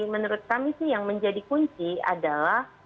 menurut kami sih yang menjadi kunci adalah